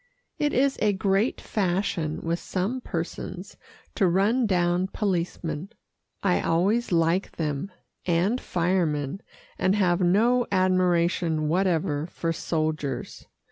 It is a great fashion with some persons to run down policemen. I always like them and firemen, and have no admiration whatever for soldiers.